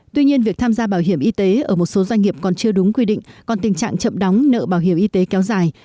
tuy nhiên việc tham gia bảo hiểm y tế ở một số doanh nghiệp còn chưa đúng quy định còn tình trạng chậm đóng nợ bảo hiểm y tế kéo dài